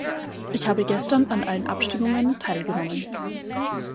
Ich habe gestern an allen Abstimmungen teilgenommen.